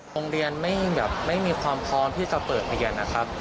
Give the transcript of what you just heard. โรงเรียนไม่มีความพร้อมที่จะเปิดไปอย่างนั้น